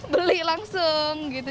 beli langsung gitu